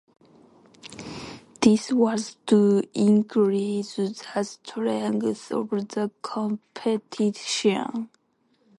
This was to increase the strength of the competition.